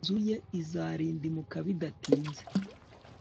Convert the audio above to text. inzu ye izarindimuka bidatinze